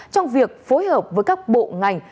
trong việc phối hợp với các bộ ngành